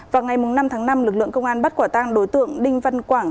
vào ngày năm tháng năm lực lượng công an bắt quả tang đối tượng đinh văn quảng